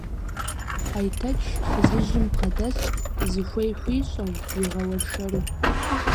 Айтэч фызыжьым бгъэдэст, зыхуей хуищӀэу, игъэуэршэру.